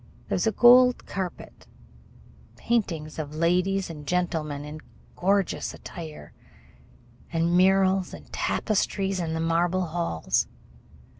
There was a gold carpet, paintings of ladies and gentlemen in gorgeous attire, and murals and tapestries in the marble halls.